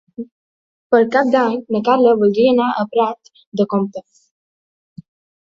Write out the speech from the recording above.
Per Cap d'Any na Carla voldria anar a Prat de Comte.